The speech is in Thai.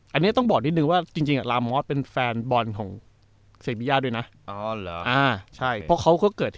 อันนี้ต้องบอกนิดนึงว่าจริงลามอสเป็นแฟนบอลของเซบิยาด้วยนะ